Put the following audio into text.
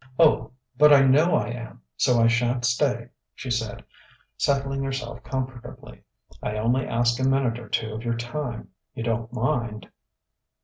"Oh, but I know I am, so I shan't stay," she said, settling herself comfortably. "I only ask a minute or two of your time. You don't mind?"